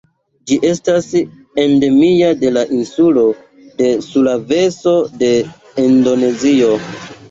Ĝi estas endemia de la insulo de Sulaveso de Indonezio.